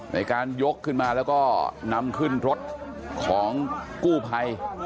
ในการยกขึ้นมาแล้วก็นำขึ้นรถของกู้ภัย